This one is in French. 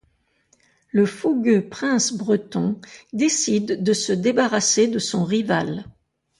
Le fougueux prince breton décide de se débarrasser de son rival.